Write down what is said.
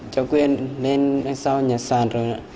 cháu quyền lên đằng sau nhà sàn rồi